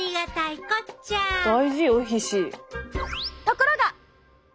ところが！